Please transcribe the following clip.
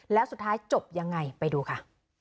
แล้วสุดท้ายจบยังไงไปดูค่ะ